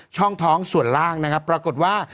ช่องท้องส่วนล่างนะครับปรากฏว่า